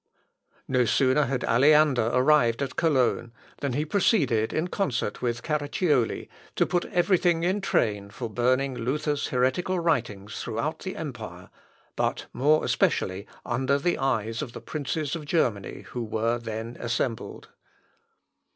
] No sooner had Aleander arrived at Cologne, than he proceeded in concert with Carracioli, to put everything in train for burning Luther's heretical writings throughout the empire, but more especially under the eyes of the princes of Germany who were then assembled.